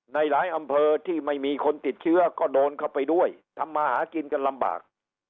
ในหลายอำเภอที่ไม่มีคนติดเชื้อก็โดนเข้าไปด้วยทำมาหากินกันลำบาก